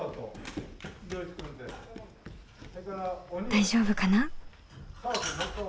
大丈夫かな？